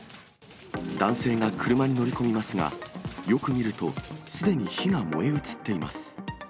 男性が車に乗り込みますが、よく見ると、すでに火が燃え移っています。